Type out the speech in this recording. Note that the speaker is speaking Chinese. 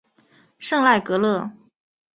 圣赖格勒。